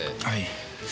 はい。